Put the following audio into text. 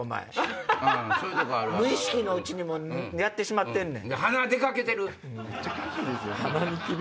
無意識のうちにやってしまってんねん。